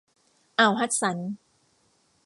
อ่าวฮัดสัน